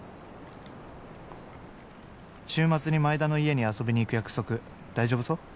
「週末に前田の家に遊びに行く約束大丈夫そう？